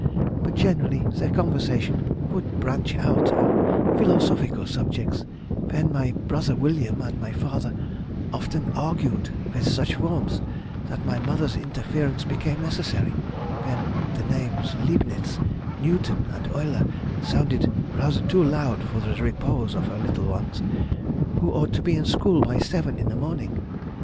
But generally their conversation would branch out on philosophical subjects, when my brother William and my father often argued with such warmth, that my mother's interference became necessary, when the names Leibnitz, Newton, and Euler sounded rather too loud for the repose of her little ones, who ought to be in school by seven in the morning.